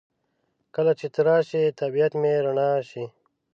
کله چې ته راشې طبیعت مې رڼا شي.